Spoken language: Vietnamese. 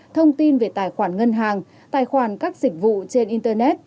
thông tin về tài khoản ngân hàng tài khoản các dịch vụ trên internet